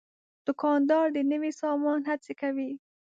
دوکاندار د نوي سامان هڅه کوي.